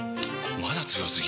まだ強すぎ？！